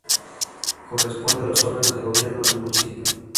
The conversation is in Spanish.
Corresponde a los órganos de gobierno del municipio.